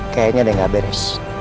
kayaknya ada yang gak beres